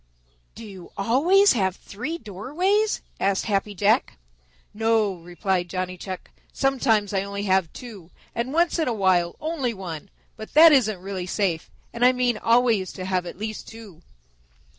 "Do you always have three doorways?" asked Happy Jack. "No," replied Johnny Chuck. "Sometimes I have only two and once in a while only one. But that isn't really safe, and I mean always to have at least two."